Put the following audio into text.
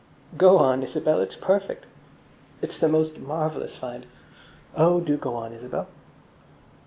"Go on, Isabel, it's perfect." "It's the most marvellous find." "Oh, do go on, Isabel!"